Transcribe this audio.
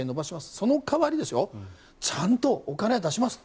その代わりちゃんとお金は出しますと。